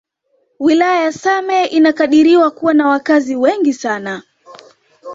Wilaya ya Same inakadiriwa kuwa na wakazi wengi sana